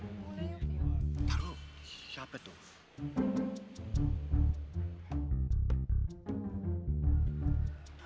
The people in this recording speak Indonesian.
ntar dulu siapa tuh